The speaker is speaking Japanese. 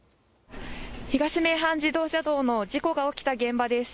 東名阪自動車道の事故が起きた現場です。